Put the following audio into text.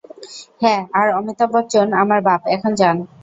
হ্যাঁ আর অমিতাভ বচ্চন আমার বাপ, এখন যান।